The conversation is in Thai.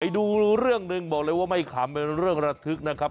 ดูเรื่องหนึ่งบอกเลยว่าไม่ขำเป็นเรื่องระทึกนะครับ